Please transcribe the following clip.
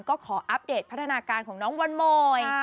ก็ขออัปเดตพัฒนาการของน้องวันโมย